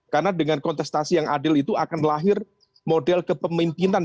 karena dengan kontestasi yang adil itu akan melahir model kepemimpinan